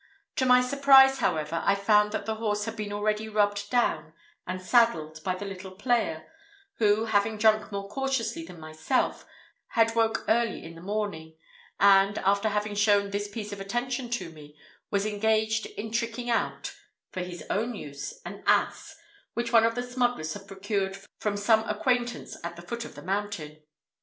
To my surprise, however, I found that the horse had been already rubbed down and saddled by the little player; who, having drunk more cautiously than myself, had woke early in the morning; and, after having shown this piece of attention to me, was engaged in tricking out, for his own use, an ass, which one of the smugglers had procured from some acquaintance at the foot of the mountain.